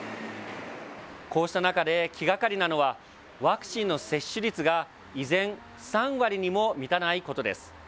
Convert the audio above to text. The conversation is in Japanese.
こうした中で気がかりなのは、ワクチンの接種率が依然３割にも満たないことです。